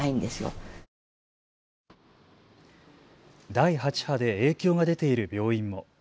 第８波で影響が出ている病院も。